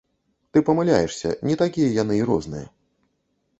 Ты памыляешся, не такія яны і розныя.